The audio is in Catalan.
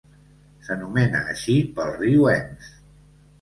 S'anomena així pel riu Ems.